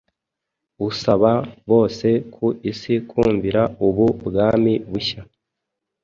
usaba bose ku isi kumvira ubu bwami bushya